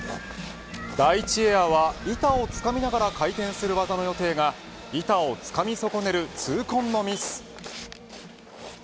第１エアは板をつかみながら回転する技の予定が板をつかみ損ねる痛恨のミス。